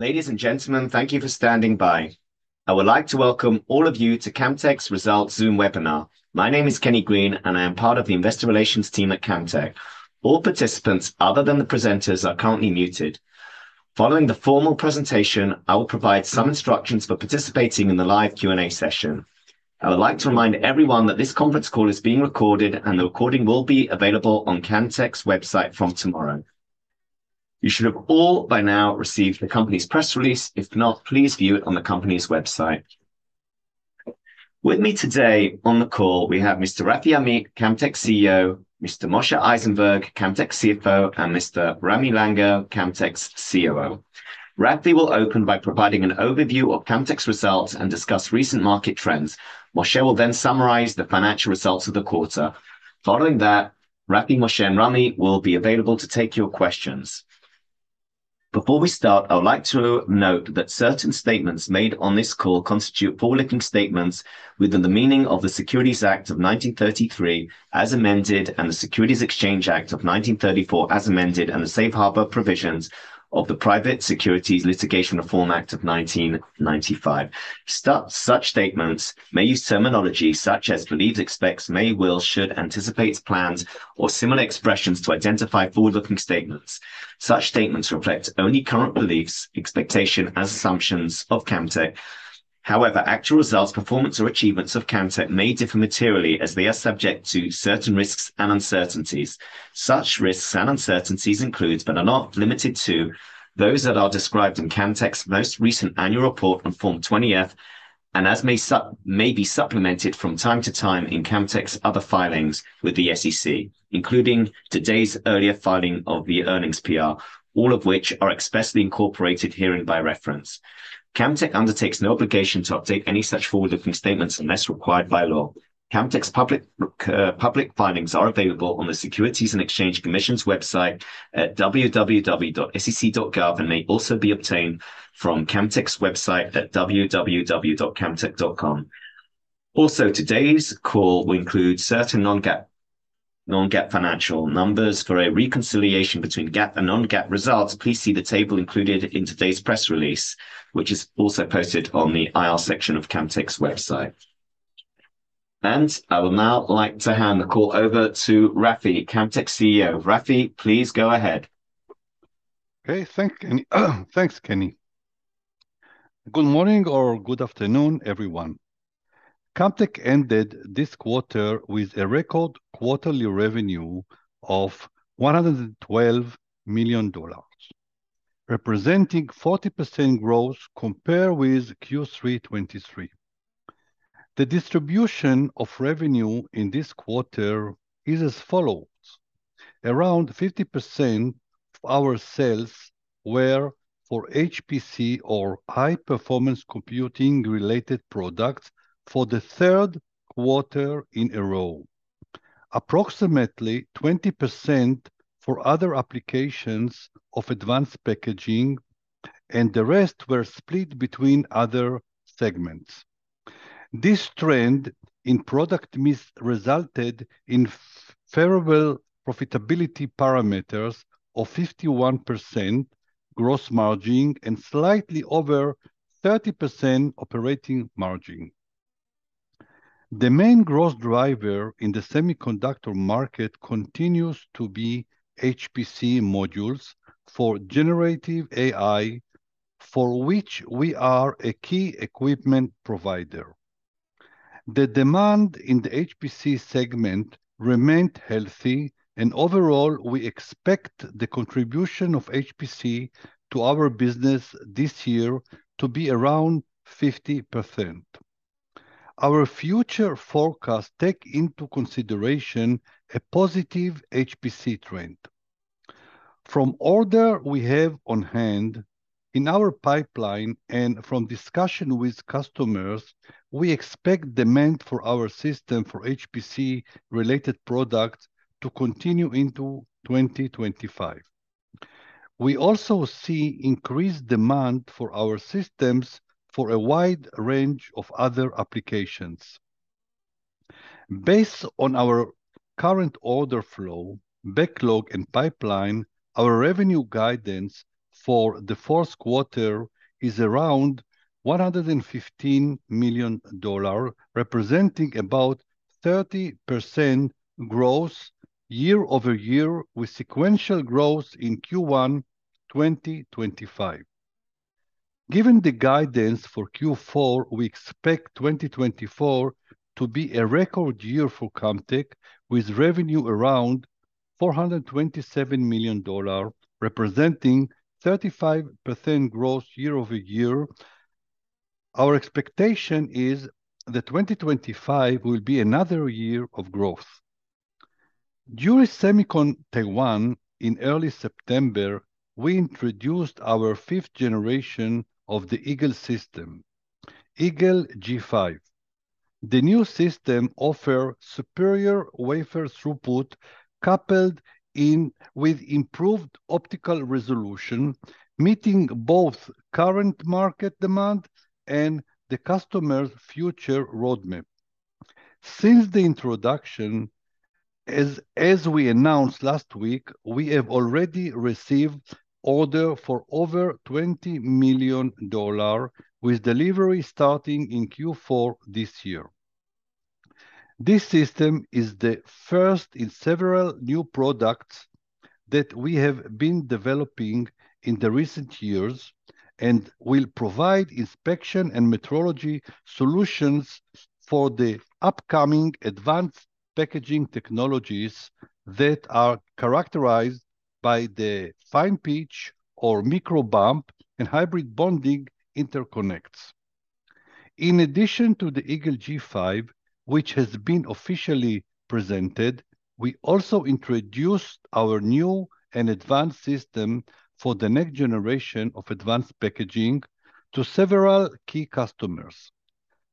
Ladies and gentlemen, thank you for standing by. I would like to welcome all of you to Camtek's Results Zoom webinar. My name is Kenny Green, and I am part of the Investor Relations team at Camtek. All participants, other than the presenters, are currently muted. Following the formal presentation, I will provide some instructions for participating in the live Q&A session. I would like to remind everyone that this conference call is being recorded, and the recording will be available on Camtek's website from tomorrow. You should have all, by now, received the company's press release. If not, please view it on the company's website. With me today on the call, we have Mr. Rafi Amit, Camtek CEO, Mr. Moshe Eisenberg, Camtek CFO, and Mr. Ramy Langer, Camtek's COO. Rafi will open by providing an overview of Camtek's results and discuss recent market trends. Moshe will then summarize the financial results of the quarter. Following that, Rafi, Moshe, and Ramy will be available to take your questions. Before we start, I would like to note that certain statements made on this call constitute forward-looking statements within the meaning of the Securities Act of 1933, as amended, and the Securities Exchange Act of 1934, as amended, and the Safe Harbor Provisions of the Private Securities Litigation Reform Act of 1995. Such statements may use terminology such as believes, expects, may, will, should, anticipates, plans, or similar expressions to identify forward-looking statements. Such statements reflect only current beliefs, expectations, and assumptions of Camtek. However, actual results, performance, or achievements of Camtek may differ materially as they are subject to certain risks and uncertainties. Such risks and uncertainties include, but are not limited to, those that are described in Camtek's most recent annual report on Form 20-F, and as may be supplemented from time to time in Camtek's other filings with the SEC, including today's earlier filing of the earnings PR, all of which are expressly incorporated herein by reference. Camtek undertakes no obligation to update any such forward-looking statements unless required by law. Camtek's public filings are available on the Securities and Exchange Commission's website at www.sec.gov and may also be obtained from Camtek's website at www.camtek.com. Also, today's call will include certain non-GAAP financial numbers for a reconciliation between GAAP and non-GAAP results. Please see the table included in today's press release, which is also posted on the IR section of Camtek's website. I would now like to hand the call over to Rafi, Camtek CEO. Rafi, please go ahead. Okay, thanks. Thanks, Kenny. Good morning or good afternoon, everyone. Camtek ended this quarter with a record quarterly revenue of $112 million, representing 40% growth compared with Q3 2023. The distribution of revenue in this quarter is as follows: around 50% of our sales were for HPC or high-performance computing-related products for the third quarter in a row, approximately 20% for other applications of advanced packaging, and the rest were split between other segments. This trend in product resulted in favorable profitability parameters of 51% gross margin and slightly over 30% operating margin. The main gross driver in the semiconductor market continues to be HPC modules for generative AI, for which we are a key equipment provider. The demand in the HPC segment remained healthy, and overall, we expect the contribution of HPC to our business this year to be around 50%. Our future forecasts take into consideration a positive HPC trend. From order we have on hand in our pipeline and from discussion with customers, we expect demand for our system for HPC-related products to continue into 2025. We also see increased demand for our systems for a wide range of other applications. Based on our current order flow, backlog, and pipeline, our revenue guidance for the fourth quarter is around $115 million, representing about 30% growth year-over-year, with sequential growth in Q1 2025. Given the guidance for Q4, we expect 2024 to be a record year for Camtek, with revenue around $427 million, representing 35% growth year-over-year. Our expectation is that 2025 will be another year of growth. During SEMICON Taiwan, in early September, we introduced our fifth generation of the Eagle system, Eagle G5. The new system offers superior wafer throughput coupled with improved optical resolution, meeting both current market demand and the customer's future roadmap. Since the introduction, as we announced last week, we have already received orders for over $20 million, with delivery starting in Q4 this year. This system is the first in several new products that we have been developing in the recent years and will provide inspection and metrology solutions for the upcoming advanced packaging technologies that are characterized by the fine pitch or microbump and hybrid bonding interconnects. In addition to the Eagle G5, which has been officially presented, we also introduced our new and advanced system for the next generation of advanced packaging to several key customers.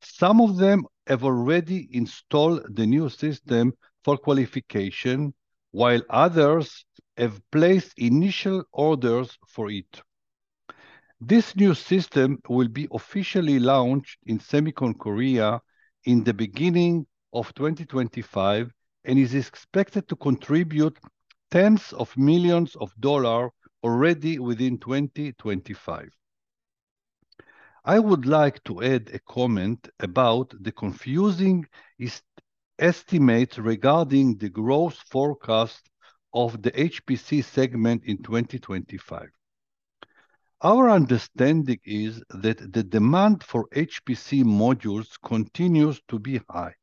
Some of them have already installed the new system for qualification, while others have placed initial orders for it. This new system will be officially launched in SEMICON Korea in the beginning of 2025 and is expected to contribute tens of millions of dollars already within 2025. I would like to add a comment about the confusing estimates regarding the growth forecast of the HPC segment in 2025. Our understanding is that the demand for HPC modules continues to be high,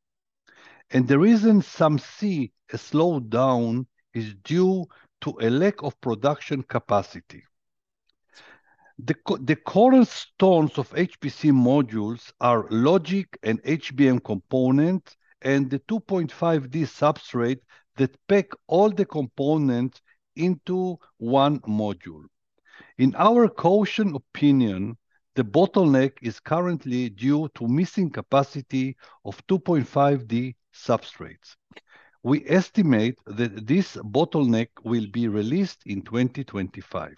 and the reason some see a slowdown is due to a lack of production capacity. The cornerstones of HPC modules are logic and HBM components and the 2.5D substrate that pack all the components into one module. In our cautious opinion, the bottleneck is currently due to missing capacity of 2.5D substrates. We estimate that this bottleneck will be released in 2025.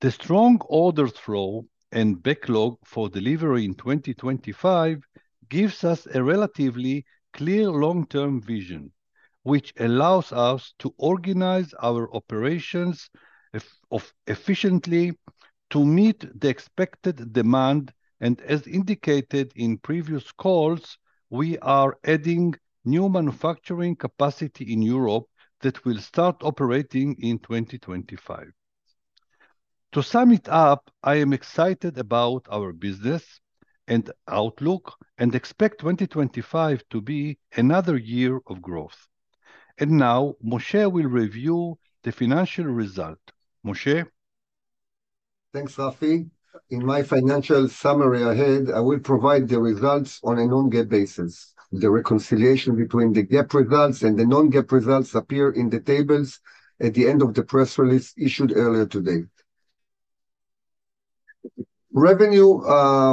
The strong order flow and backlog for delivery in 2025 gives us a relatively clear long-term vision, which allows us to organize our operations efficiently to meet the expected demand. And as indicated in previous calls, we are adding new manufacturing capacity in Europe that will start operating in 2025. To sum it up, I am excited about our business and outlook and expect 2025 to be another year of growth. And now, Moshe will review the financial result. Moshe. Thanks, Rafi. In my financial summary ahead, I will provide the results on a non-GAAP basis. The reconciliation between the GAAP results and the non-GAAP results appears in the tables at the end of the press release issued earlier today. Revenue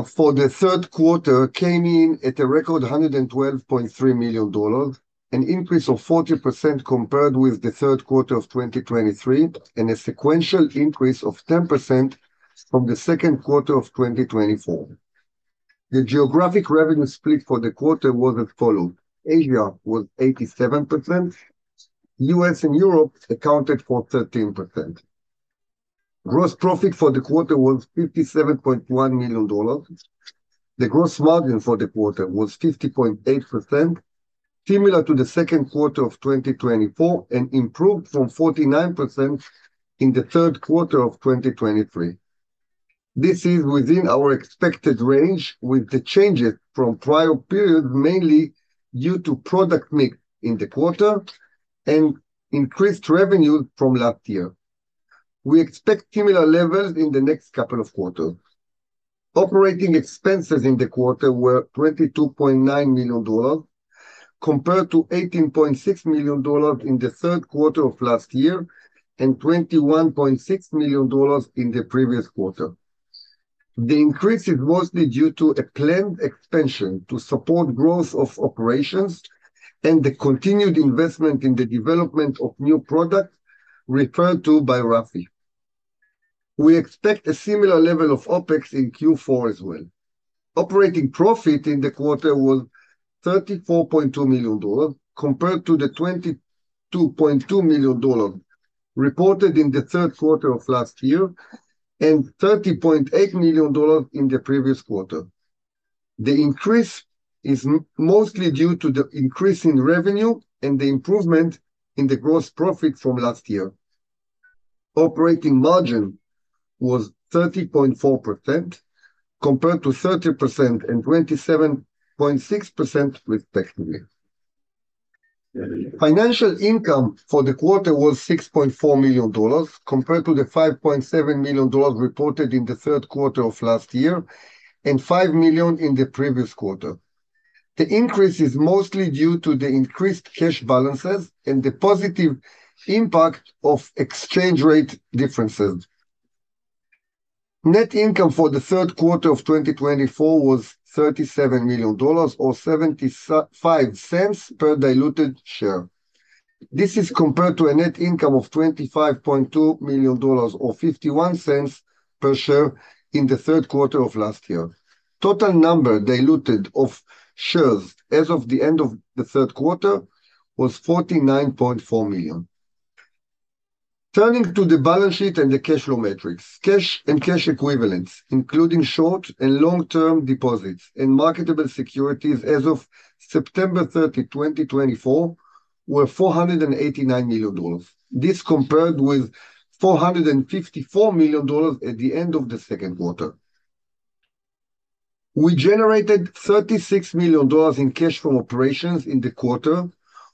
for the third quarter came in at a record $112.3 million, an increase of 40% compared with the third quarter of 2023, and a sequential increase of 10% from the second quarter of 2024. The geographic revenue split for the quarter was as follows: Asia was 87%, U.S. and Europe accounted for 13%. Gross profit for the quarter was $57.1 million. The gross margin for the quarter was 50.8%, similar to the second quarter of 2024, and improved from 49% in the third quarter of 2023. This is within our expected range, with the changes from prior periods mainly due to product mix in the quarter and increased revenue from last year. We expect similar levels in the next couple of quarters. Operating expenses in the quarter were $22.9 million compared to $18.6 million in the third quarter of last year and $21.6 million in the previous quarter. The increase is mostly due to a planned expansion to support growth of operations and the continued investment in the development of new products referred to by Rafi. We expect a similar level of OpEx in Q4 as well. Operating profit in the quarter was $34.2 million compared to the $22.2 million reported in the third quarter of last year and $30.8 million in the previous quarter. The increase is mostly due to the increase in revenue and the improvement in the gross profit from last year. Operating margin was 30.4% compared to 30% and 27.6% respectively. Financial income for the quarter was $6.4 million compared to the $5.7 million reported in the third quarter of last year and $5 million in the previous quarter. The increase is mostly due to the increased cash balances and the positive impact of exchange rate differences. Net income for the third quarter of 2024 was $37 million or $0.75 per diluted share. This is compared to a net income of $25.2 million or $0.51 per share in the third quarter of last year. Total number diluted of shares as of the end of the third quarter was 49.4 million. Turning to the balance sheet and the cash flow metrics, cash and cash equivalents, including short and long-term deposits and marketable securities as of September 30, 2024, were $489 million. This compared with $454 million at the end of the second quarter. We generated $36 million in cash from operations in the quarter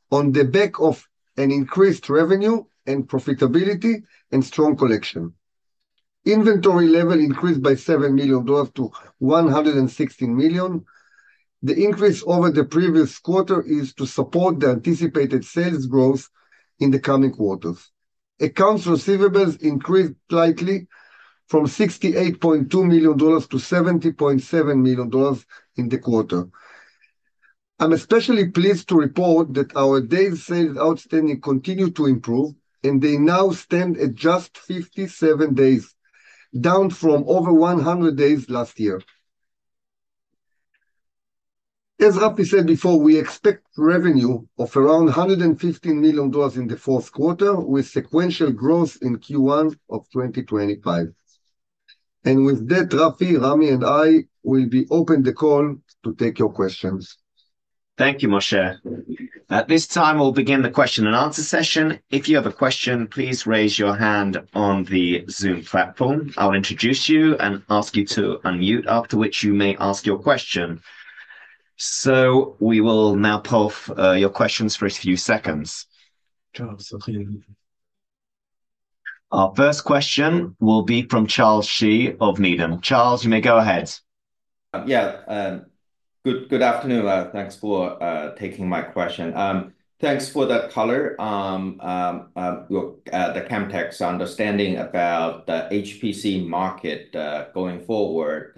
on the back of an increased revenue and profitability and strong collection. Inventory level increased by $7 million to $116 million. The increase over the previous quarter is to support the anticipated sales growth in the coming quarters. Accounts receivables increased slightly from $68.2 million to $70.7 million in the quarter. I'm especially pleased to report that our days sales outstanding continue to improve, and they now stand at just 57 days, down from over 100 days last year. As Rafi said before, we expect revenue of around $115 million in the fourth quarter, with sequential growth in Q1 of 2025. And with that, Rafi, Ramy, and I will be opening the call to take your questions. Thank you, Moshe. At this time, we'll begin the question and answer session. If you have a question, please raise your hand on the Zoom platform. I'll introduce you and ask you to unmute, after which you may ask your question. So we will now poll for your questions for a few seconds. Our first question will be from Charles Shi of Needham. Charles, you may go ahead. Yeah. Good afternoon. Thanks for taking my question. Thanks for that color. Camtek's understanding about the HPC market going forward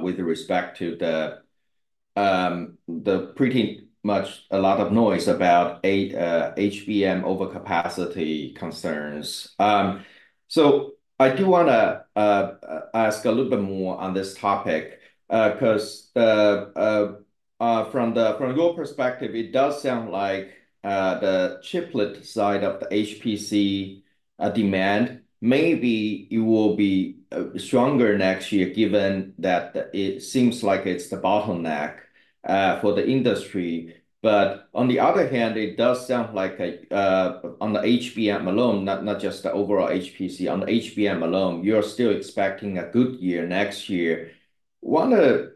with respect to the pretty much a lot of noise about HBM overcapacity concerns. So I do want to ask a little bit more on this topic because from your perspective, it does sound like the chiplet side of the HPC demand maybe it will be stronger next year given that it seems like it's the bottleneck for the industry. But on the other hand, it does sound like on the HBM alone, not just the overall HPC, on the HBM alone, you're still expecting a good year next year. I want to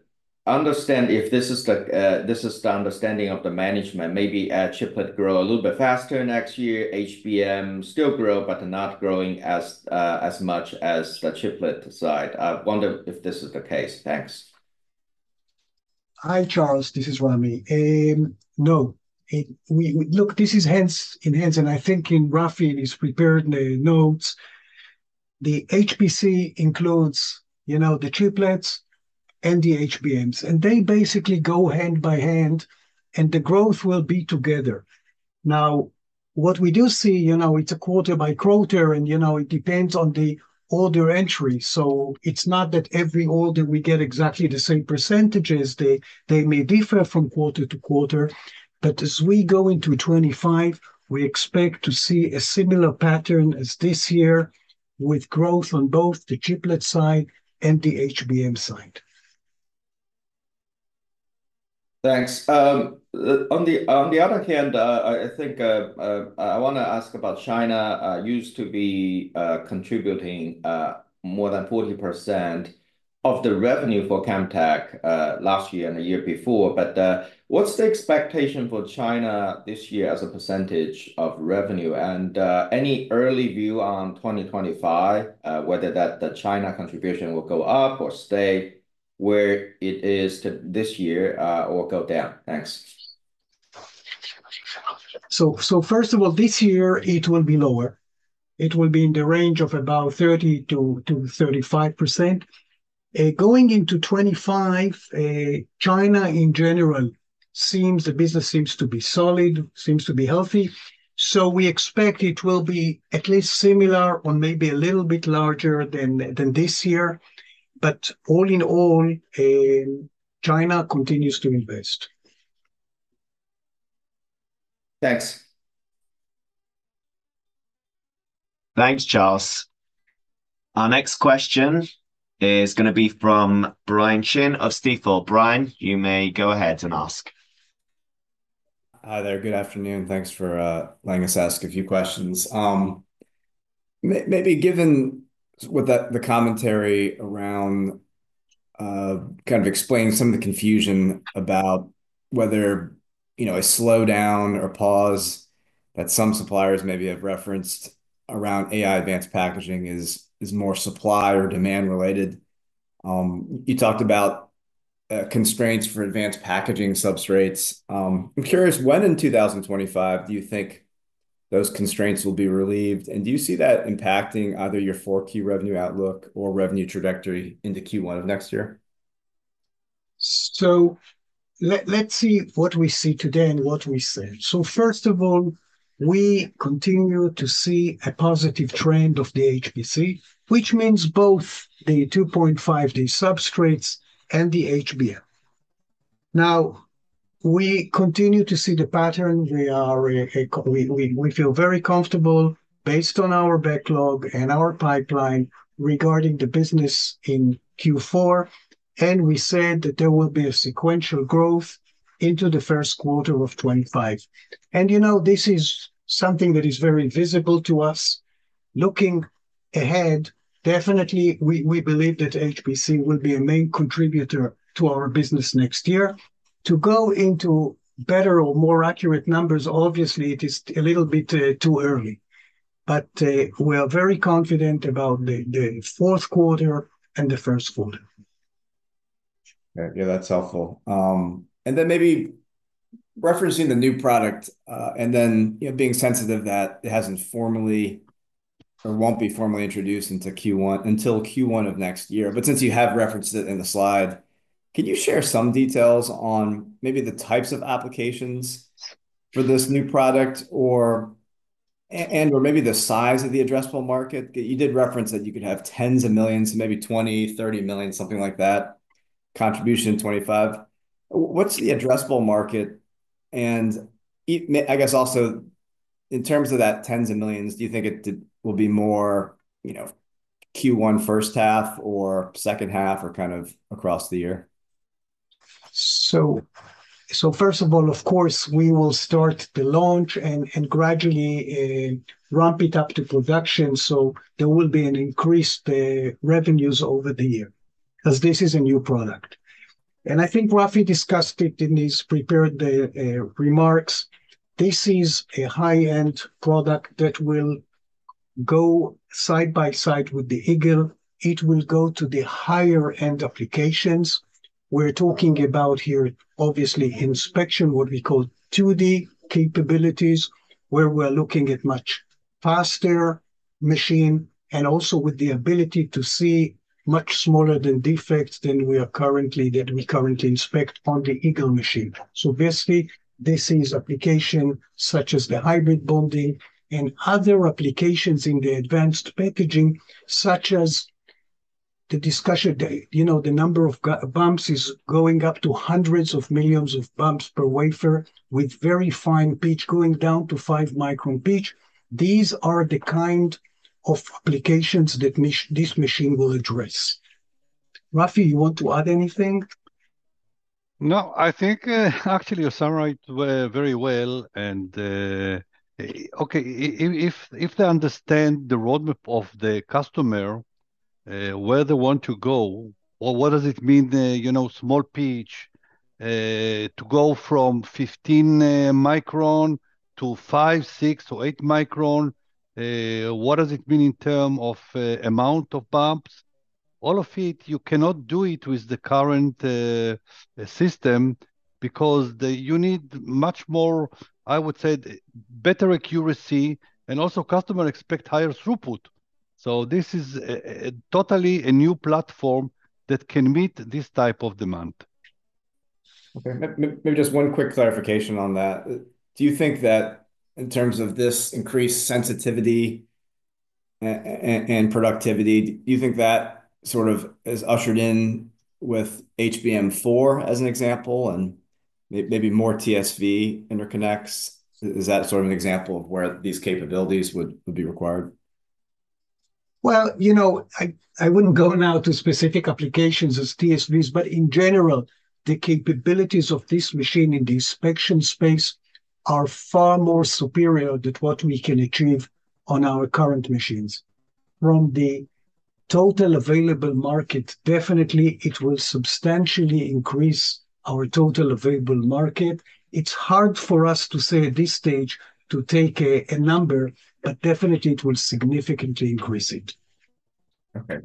understand if this is the understanding of the management. Maybe chiplet grow a little bit faster next year. HBM still grow, but not growing as much as the chiplet side. I wonder if this is the case. Thanks. Hi, Charles. This is Ramy. No, look, this is hand in hand, and I think Rafi has prepared the notes. The HPC includes the chiplets and the HBMs, and they basically go hand in hand, and the growth will be together. Now, what we do see, it's a quarter by quarter, and it depends on the order entry. So it's not that every order we get exactly the same percentages. They may differ from quarter to quarter. But as we go into 2025, we expect to see a similar pattern as this year with growth on both the chiplet side and the HBM side. Thanks. On the other hand, I think I want to ask about China. It used to be contributing more than 40% of the revenue for Camtek last year and the year before. But what's the expectation for China this year as a percentage of revenue? And any early view on 2025, whether that China contribution will go up or stay where it is this year or go down? Thanks. First of all, this year, it will be lower. It will be in the range of about 30%-35%. Going into 2025, China, in general, the business seems to be solid, seems to be healthy. So we expect it will be at least similar or maybe a little bit larger than this year. But all in all, China continues to invest. Thanks. Thanks, Charles. Our next question is going to be from Brian Chin of Stifel. Brian, you may go ahead and ask. Hi there. Good afternoon. Thanks for letting us ask a few questions. Maybe given the commentary around kind of explaining some of the confusion about whether a slowdown or pause that some suppliers maybe have referenced around AI advanced packaging is more supply or demand related. You talked about constraints for advanced packaging substrates. I'm curious, when in 2025 do you think those constraints will be relieved? And do you see that impacting either your 4Q revenue outlook or revenue trajectory into Q1 of next year? So let's see what we see today and what we said. So first of all, we continue to see a positive trend of the HPC, which means both the 2.5D substrates and the HBM. Now, we continue to see the pattern. We feel very comfortable based on our backlog and our pipeline regarding the business in Q4. And we said that there will be a sequential growth into the first quarter of 2025. And this is something that is very visible to us. Looking ahead, definitely, we believe that HPC will be a main contributor to our business next year. To go into better or more accurate numbers, obviously, it is a little bit too early. But we are very confident about the fourth quarter and the first quarter. Yeah, that's helpful. And then maybe referencing the new product and then being sensitive that it hasn't formally or won't be formally introduced until Q1 of next year. But since you have referenced it in the slide, can you share some details on maybe the types of applications for this new product and/or maybe the size of the addressable market? You did reference that you could have tens of millions to maybe $20-$30 million, something like that contribution in 2025. What's the addressable market? And I guess also in terms of that tens of millions, do you think it will be more Q1 first half or second half or kind of across the year? So first of all, of course, we will start the launch and gradually ramp it up to production so there will be an increased revenues over the year because this is a new product. And I think Rafi discussed it in his prepared remarks. This is a high-end product that will go side by side with the Eagle. It will go to the higher-end applications. We're talking about here, obviously, inspection, what we call 2D capabilities, where we're looking at much faster machine and also with the ability to see much smaller defects than we currently inspect on the Eagle machine. So basically, this is application such as the hybrid bonding and other applications in the advanced packaging, such as the discussion that the number of bumps is going up to hundreds of millions of bumps per wafer with very fine pitch going down to five-micron pitch. These are the kind of applications that this machine will address. Rafi, you want to add anything? No, I think actually you summarized very well. Okay, if they understand the roadmap of the customer, where they want to go, what does it mean, fine pitch to go from 15 micron to five, six, or eight micron? What does it mean in terms of amount of bumps? All of it, you cannot do it with the current system because you need much more, I would say, better accuracy and also customers expect higher throughput. This is totally a new platform that can meet this type of demand. Okay. Maybe just one quick clarification on that. Do you think that in terms of this increased sensitivity and productivity, do you think that sort of is ushered in with HBM4 as an example and maybe more TSV interconnects? Is that sort of an example of where these capabilities would be required? You know I wouldn't go now to specific applications as TSVs, but in general, the capabilities of this machine in the inspection space are far more superior to what we can achieve on our current machines. From the total available market, definitely, it will substantially increase our total available market. It's hard for us to say at this stage to take a number, but definitely, it will significantly increase it. Okay.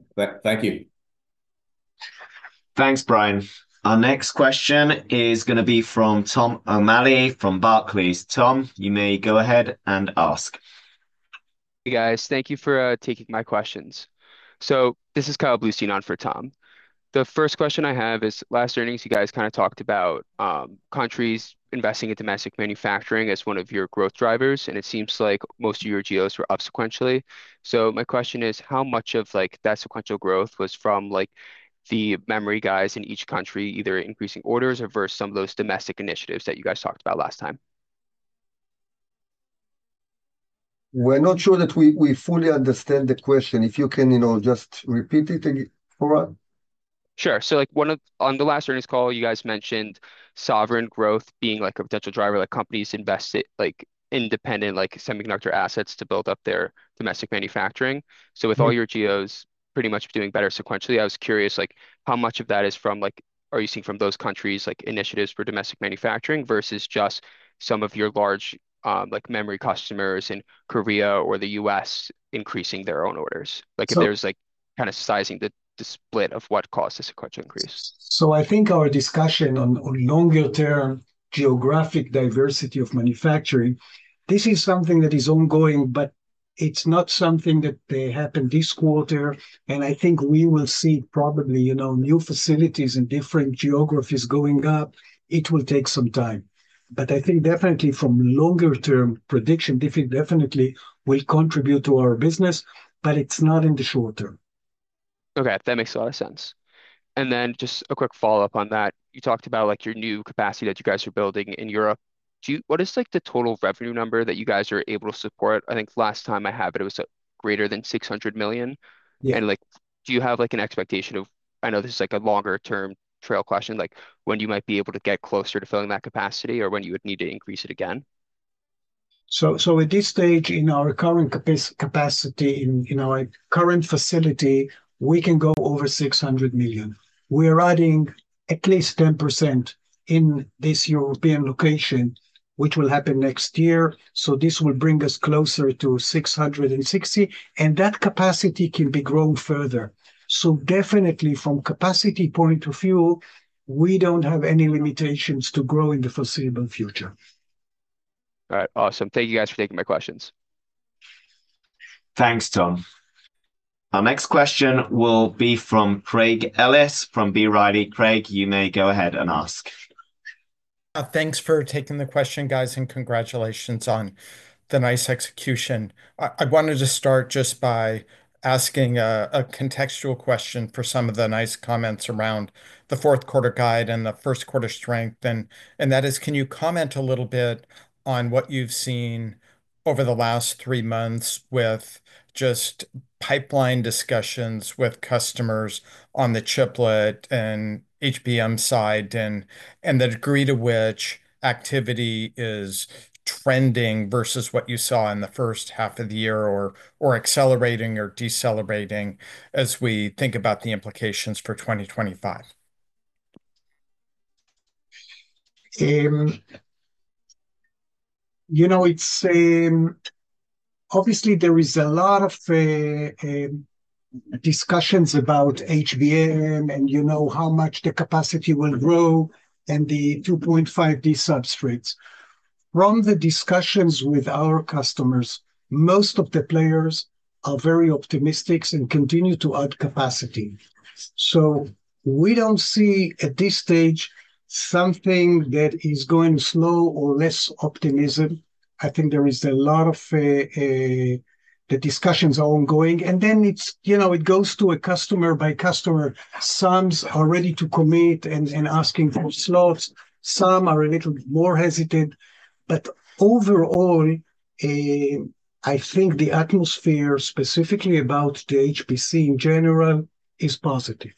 Thank you. Thanks, Brian. Our next question is going to be from Tom O'Malley from Barclays. Tom, you may go ahead and ask. Hey, guys. Thank you for taking my questions. So this is Kyle Bluestein on for Tom. The first question I have is last earnings, you guys kind of talked about countries investing in domestic manufacturing as one of your growth drivers, and it seems like most of your geos were up sequentially. So my question is, how much of that sequential growth was from the memory guys in each country, either increasing orders or versus some of those domestic initiatives that you guys talked about last time? We're not sure that we fully understand the question. If you can just repeat it for us. Sure. So on the last earnings call, you guys mentioned sovereign growth being a potential driver, like companies invest in independent semiconductor assets to build up their domestic manufacturing. So with all your geos pretty much doing better sequentially, I was curious how much of that is from; are you seeing from those countries' initiatives for domestic manufacturing versus just some of your large memory customers in Korea or the U.S. increasing their own orders? If there's kind of sizing the split of what caused the sequential increase. I think our discussion on longer-term geographic diversity of manufacturing. This is something that is ongoing, but it's not something that happened this quarter. I think we will see probably new facilities in different geographies going up. It will take some time. I think definitely from longer-term prediction, definitely will contribute to our business, but it's not in the short term. Okay. That makes a lot of sense. And then just a quick follow-up on that. You talked about your new capacity that you guys are building in Europe. What is the total revenue number that you guys are able to support? I think last time I have it, it was greater than $600 million. And do you have an expectation of, I know this is a longer-term trailing question, when you might be able to get closer to filling that capacity or when you would need to increase it again? So at this stage in our current capacity in our current facility, we can go over $600 million. We are adding at least 10% in this European location, which will happen next year. So this will bring us closer to $660 million. And that capacity can be grown further. So definitely from capacity point of view, we don't have any limitations to grow in the foreseeable future. All right. Awesome. Thank you guys for taking my questions. Thanks, Tom. Our next question will be from Craig Ellis from B. Riley. Craig, you may go ahead and ask. Thanks for taking the question, guys, and congratulations on the nice execution. I wanted to start just by asking a contextual question for some of the nice comments around the fourth quarter guide and the first quarter strength. And that is, can you comment a little bit on what you've seen over the last three months with just pipeline discussions with customers on the chiplet and HBM side and the degree to which activity is trending versus what you saw in the first half of the year or accelerating or decelerating as we think about the implications for 2025? You know, it's obviously there is a lot of discussions about HBM and how much the capacity will grow and the 2.5D substrates. From the discussions with our customers, most of the players are very optimistic and continue to add capacity, so we don't see at this stage something that is going slow or less optimism. I think there is a lot of the discussions are ongoing, and then it goes to a customer by customer. Some are ready to commit and asking for slots. Some are a little more hesitant, but overall, I think the atmosphere specifically about the HPC in general is positive.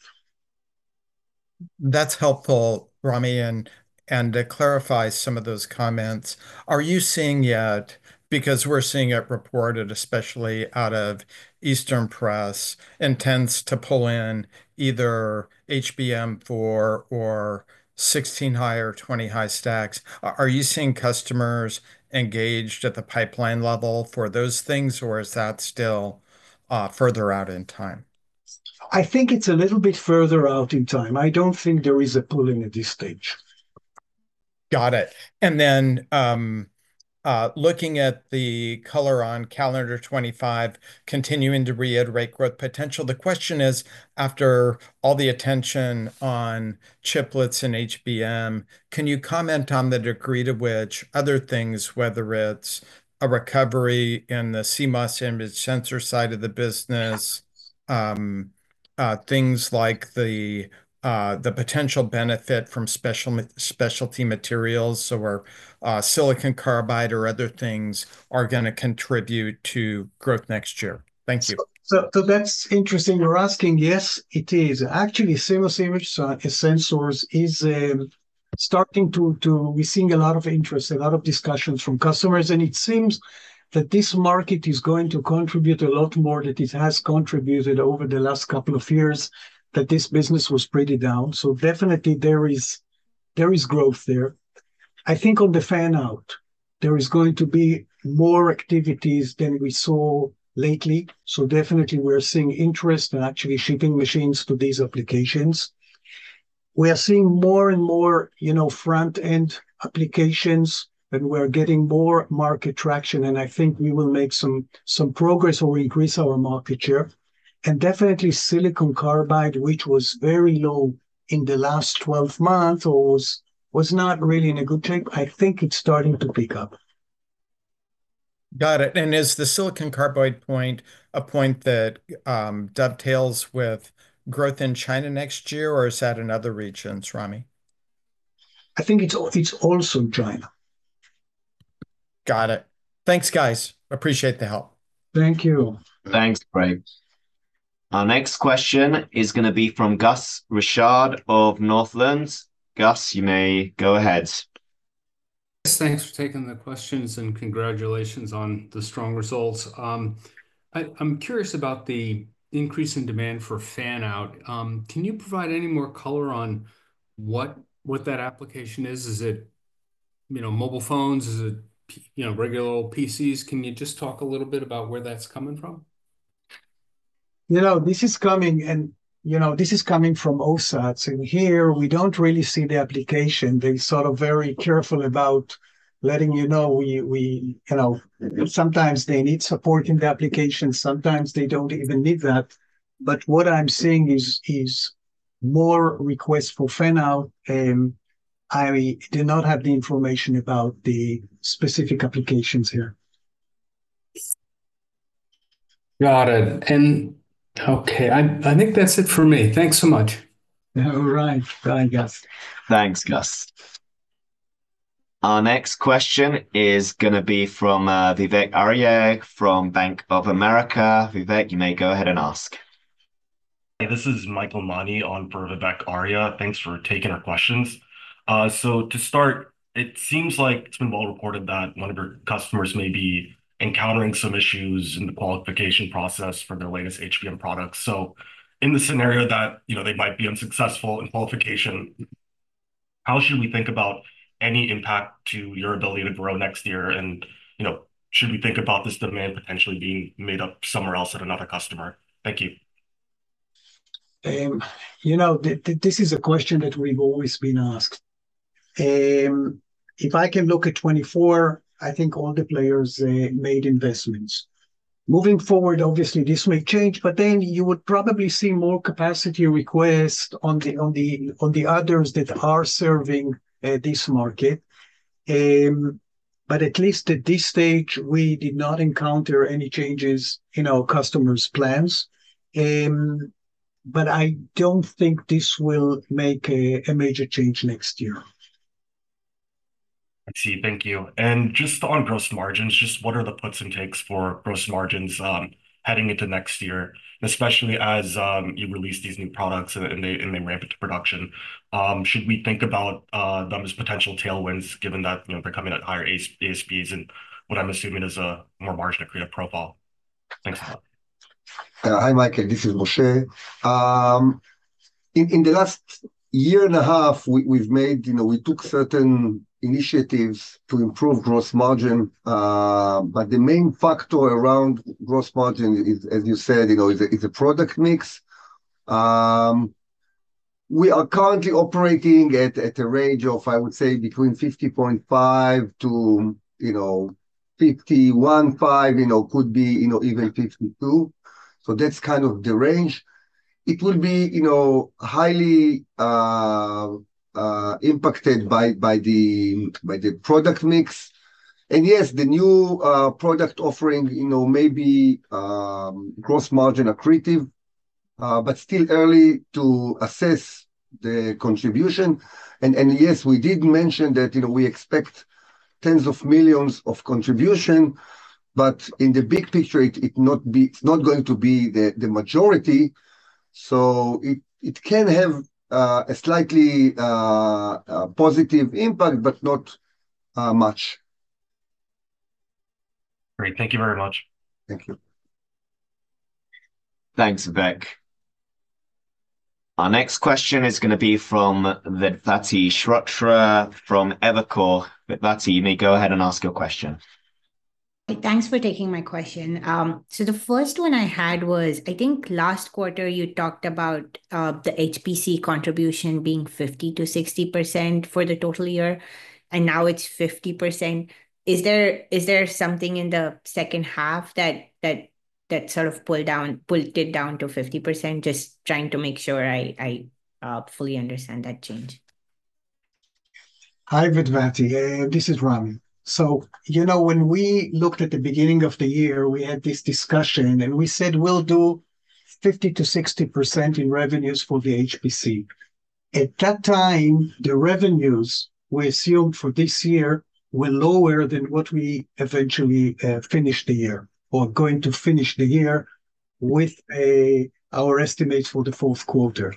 That's helpful, Ramy, and to clarify some of those comments. Are you seeing yet, because we're seeing it reported, especially out of Asian press, intends to pull in either HBM4 or 16 high or 20 high stacks? Are you seeing customers engaged at the pipeline level for those things, or is that still further out in time? I think it's a little bit further out in time. I don't think there is a pulling at this stage. Got it. And then looking at the color on calendar 2025, continuing to reiterate growth potential, the question is, after all the attention on chiplets and HBM, can you comment on the degree to which other things, whether it's a recovery in the CMOS image sensor side of the business, things like the potential benefit from specialty materials, or silicon carbide or other things are going to contribute to growth next year? Thank you. So that's interesting. You're asking, yes, it is. Actually, CMOS image sensors is starting to—we're seeing a lot of interest, a lot of discussions from customers. And it seems that this market is going to contribute a lot more than it has contributed over the last couple of years, that this business was pretty down. So definitely, there is growth there. I think on the fan-out, there is going to be more activities than we saw lately. So definitely, we're seeing interest in actually shipping machines to these applications. We are seeing more and more front-end applications, and we're getting more market traction. And I think we will make some progress or increase our market share. And definitely, silicon carbide, which was very low in the last 12 months or was not really in a good shape, I think it's starting to pick up. Got it. And is the silicon carbide point a point that dovetails with growth in China next year, or is that in other regions, Ramy? I think it's also China. Got it. Thanks, guys. Appreciate the help. Thank you. Thanks, Craig. Our next question is going to be from Gus Richard of Northland. Gus, you may go ahead. Yes, thanks for taking the questions and congratulations on the strong results. I'm curious about the increase in demand for fan-out. Can you provide any more color on what that application is? Is it mobile phones? Is it regular old PCs? Can you just talk a little bit about where that's coming from? This is coming, and this is coming from OSAT. So here, we don't really see the application. They're sort of very careful about letting you know. Sometimes they need support in the application. Sometimes they don't even need that. But what I'm seeing is more requests for fan out. I do not have the information about the specific applications here. Got it. And okay, I think that's it for me. Thanks so much. All right. Bye, Gus. Thanks, Gus. Our next question is going to be from Vivek Aria from Bank of America. Vivek, you may go ahead and ask. Hey, this is Michael Mani on for Vivek Aria. Thanks for taking our questions. So to start, it seems like it's been well reported that one of your customers may be encountering some issues in the qualification process for their latest HBM products. So in the scenario that they might be unsuccessful in qualification, how should we think about any impact to your ability to grow next year? And should we think about this demand potentially being made up somewhere else at another customer? Thank you. You know, this is a question that we've always been asked. If I can look at 2024, I think all the players made investments. Moving forward, obviously, this may change, but then you would probably see more capacity requests on the others that are serving this market. But at least at this stage, we did not encounter any changes in our customers' plans. But I don't think this will make a major change next year. I see. Thank you. And just on gross margins, just what are the puts and takes for gross margins heading into next year, especially as you release these new products and they ramp into production? Should we think about them as potential tailwinds given that they're coming at higher ASPs and what I'm assuming is a more margin-accretive profile? Thanks a lot. Hi, Michael. This is Moshe. In the last year and a half, we took certain initiatives to improve gross margin. But the main factor around gross margin, as you said, is a product mix. We are currently operating at a range of, I would say, between 50.5%-51.5%, could be even 52%. So that's kind of the range. It will be highly impacted by the product mix. And yes, the new product offering may be gross margin accretive, but still early to assess the contribution. And yes, we did mention that we expect tens of millions of contribution, but in the big picture, it's not going to be the majority. So it can have a slightly positive impact, but not much. Great. Thank you very much. Thank you. Thanks, Vivek. Our next question is going to be from Vedvati Shrotre from Evercore. Vedvati, you may go ahead and ask your question. Thanks for taking my question. So the first one I had was, I think last quarter, you talked about the HPC contribution being 50%-60% for the total year, and now it's 50%. Is there something in the second half that sort of pulled it down to 50%? Just trying to make sure I fully understand that change. Hi, Vedvati. This is Ramy. So when we looked at the beginning of the year, we had this discussion, and we said we'll do 50%-60% in revenues for the HPC. At that time, the revenues we assumed for this year were lower than what we eventually finished the year or going to finish the year with our estimates for the fourth quarter.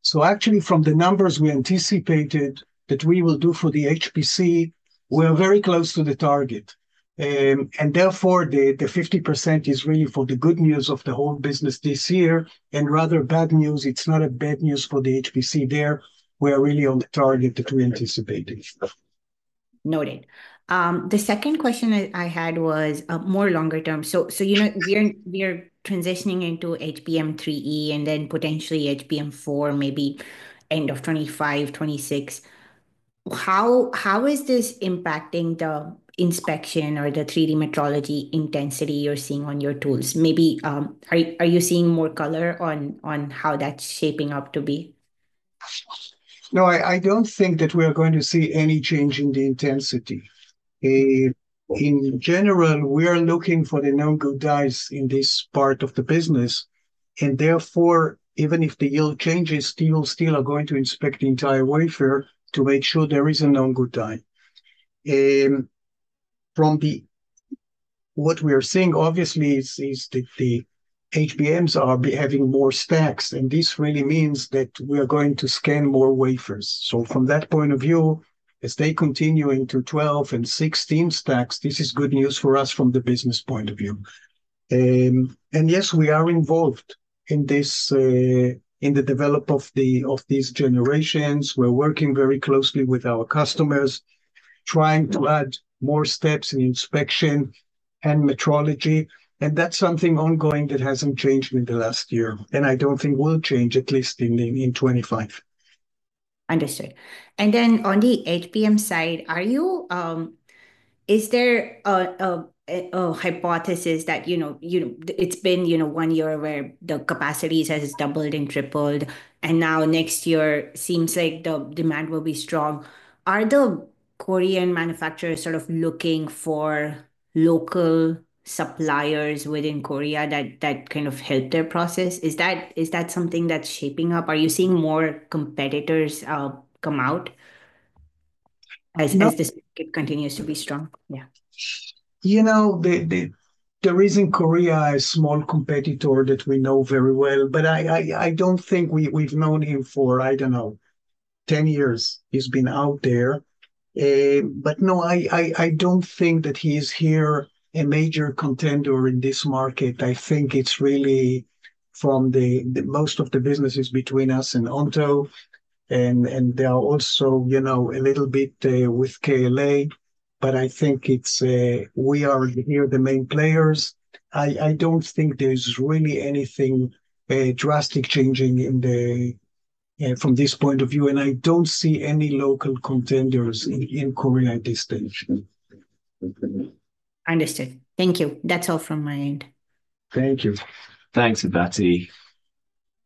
So actually, from the numbers we anticipated that we will do for the HPC, we're very close to the target. And therefore, the 50% is really for the good news of the whole business this year. And rather bad news, it's not a bad news for the HPC there. We are really on the target that we anticipated. Noted. The second question I had was more longer term. So we are transitioning into HBM3E and then potentially HBM4, maybe end of 2025, 2026. How is this impacting the inspection or the 3D metrology intensity you're seeing on your tools? Maybe are you seeing more color on how that's shaping up to be? No, I don't think that we are going to see any change in the intensity. In general, we are looking for the Known Good Dies in this part of the business. And therefore, even if the yield changes, we will still are going to inspect the entire wafer to make sure there is a Known Good Die. What we are seeing, obviously, is that the HBMs are having more stacks. And this really means that we are going to scan more wafers. So from that point of view, as they continue into 12 and 16 stacks, this is good news for us from the business point of view. And yes, we are involved in the development of these generations. We're working very closely with our customers, trying to add more steps in inspection and metrology. That's something ongoing that hasn't changed in the last year, and I don't think will change, at least in 2025. Understood. And then on the HBM side, is there a hypothesis that it's been one year where the capacity has doubled and tripled, and now next year seems like the demand will be strong? Are the Korean manufacturers sort of looking for local suppliers within Korea that kind of help their process? Is that something that's shaping up? Are you seeing more competitors come out as this market continues to be strong? Yeah. There is in Korea a small competitor that we know very well, but I don't think we've known him for, I don't know, 10 years. He's been out there. But no, I don't think that he is here a major contender in this market. I think it's really from most of the businesses between us and Onto. And there are also a little bit with KLA, but I think we are here the main players. I don't think there's really anything drastic changing from this point of view. And I don't see any local contenders in Korea at this stage. Understood. Thank you. That's all from my end. Thank you. Thanks, Vedvati.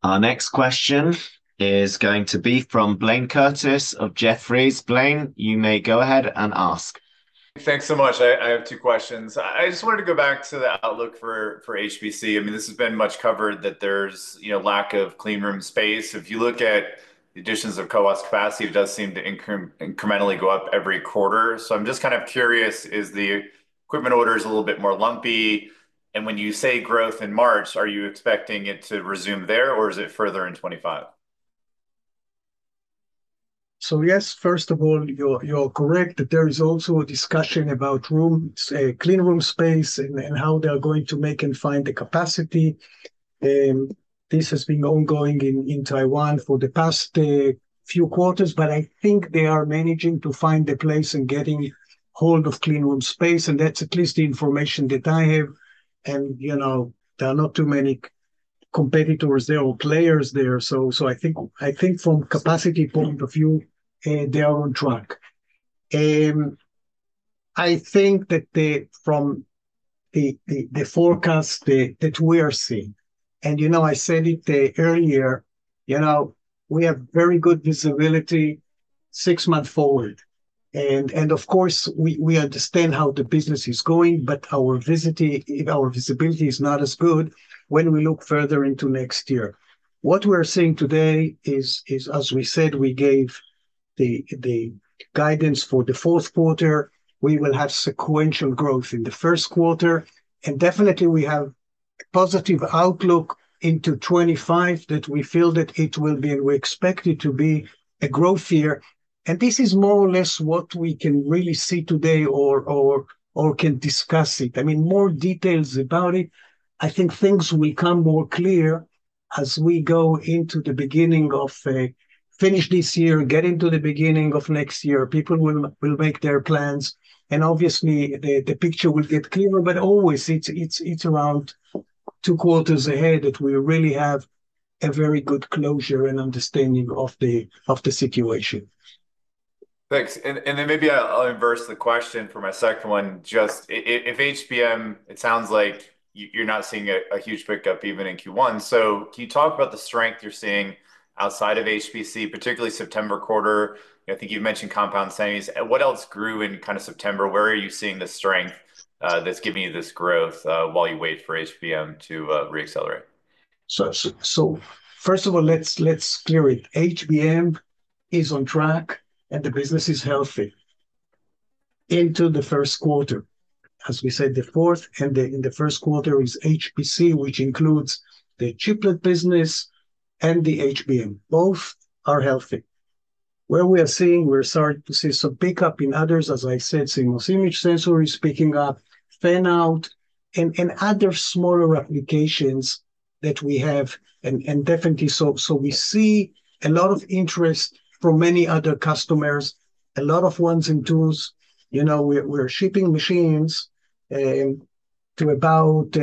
Our next question is going to be from Blaine Curtis of Jefferies. Blaine, you may go ahead and ask. Thanks so much. I have two questions. I just wanted to go back to the outlook for HPC. I mean, this has been much covered that there's lack of clean room space. If you look at the additions of OSAT's capacity, it does seem to incrementally go up every quarter. So I'm just kind of curious, is the equipment orders a little bit more lumpy? And when you say growth in March, are you expecting it to resume there, or is it further in 2025? So yes, first of all, you're correct that there is also a discussion about clean room space and how they're going to make and find the capacity. This has been ongoing in Taiwan for the past few quarters, but I think they are managing to find a place and getting hold of clean room space. And that's at least the information that I have. And there are not too many competitors there or players there. So I think from capacity point of view, they are on track. I think that from the forecast that we are seeing, and I said it earlier, we have very good visibility six months forward. And of course, we understand how the business is going, but our visibility is not as good when we look further into next year. What we're seeing today is, as we said, we gave the guidance for the fourth quarter. We will have sequential growth in the first quarter and definitely we have a positive outlook into 2025 that we feel that it will be, and we expect it to be, a growth year. This is more or less what we can really see today or can discuss it. I mean, more details about it. I think things will come more clear as we go into the end of this year, get into the beginning of next year. People will make their plans. Obviously, the picture will get clearer. But always, it's around two quarters ahead that we really have a very good closure and understanding of the situation. Thanks. And then maybe I'll inverse the question for my second one. Just if HBM, it sounds like you're not seeing a huge pickup even in Q1. So can you talk about the strength you're seeing outside of HPC, particularly September quarter? I think you've mentioned compound semis. What else grew in kind of September? Where are you seeing the strength that's giving you this growth while you wait for HBM to reaccelerate? So, first of all, let's clear it. HBM is on track, and the business is healthy into the first quarter. As we said, the fourth and the first quarter is HPC, which includes the chiplet business and the HBM. Both are healthy. Where we are seeing, we're starting to see some pickup in others, as I said, CMOS image sensor is picking up, fan-out, and other smaller applications that we have. And definitely, so we see a lot of interest from many other customers, a lot of ones and twos. We're shipping machines to about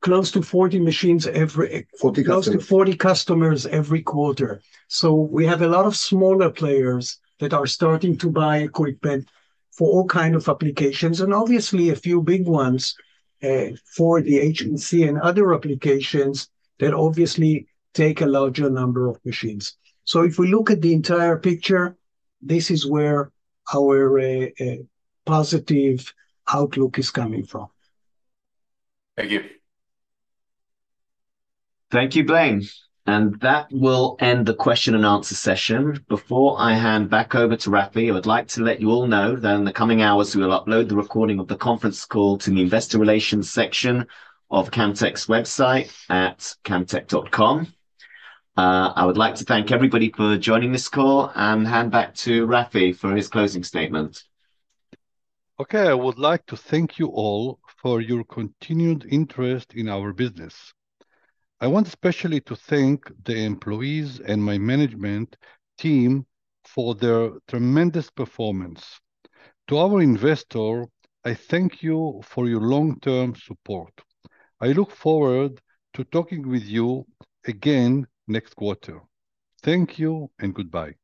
close to 40 machines, close to 40 customers every quarter. So we have a lot of smaller players that are starting to buy equipment for all kinds of applications. And obviously, a few big ones for the HPC and other applications that obviously take a larger number of machines. If we look at the entire picture, this is where our positive outlook is coming from. Thank you. Thank you, Blaine. And that will end the question and answer session. Before I hand back over to Rafi, I would like to let you all know that in the coming hours, we will upload the recording of the conference call to the investor relations section of Camtek's website at camtek.com. I would like to thank everybody for joining this call and hand back to Rafi for his closing statement. Okay. I would like to thank you all for your continued interest in our business. I want especially to thank the employees and my management team for their tremendous performance. To our investor, I thank you for your long-term support. I look forward to talking with you again next quarter. Thank you and goodbye.